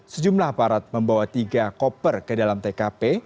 sejumlah aparat membawa tiga koper ke dalam tkp